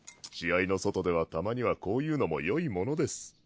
試合の外ではたまにはこういうのもよいものです。